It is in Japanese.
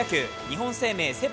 日本生命セ